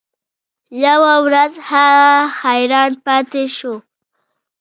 یوه ورځ هغه حیران پاتې شو.